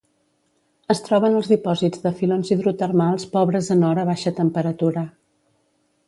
Es troba en els dipòsits de filons hidrotermals pobres en or a baixa temperatura.